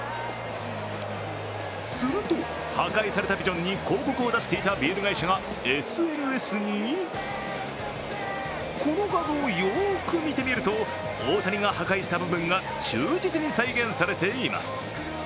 すると、破壊されたビジョンに広告を出していたビール会社がＳＮＳにこの画像、よーく見てみると、大谷が破壊した部分が忠実に再現されています。